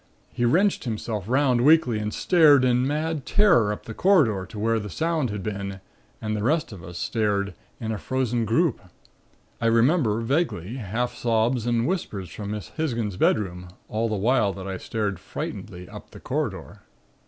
He wrenched himself 'round, weakly, and stared in mad terror up the corridor to where the sound had been, and the rest of us stared, in a frozen group. I remember vaguely half sobs and whispers from Miss Hisgins's bedroom, all the while that I stared frightenedly up the corridor.